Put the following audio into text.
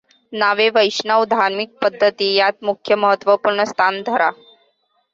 नावे वैष्णव धार्मिक पद्धती आत मुख्य महत्त्वपुर्ण स्थान धरा.